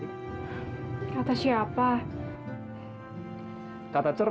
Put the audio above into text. jika anda sungguh sebenarnya diroad